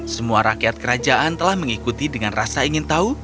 semua rakyat kerajaan telah mengikuti dengan rasa ingin tahu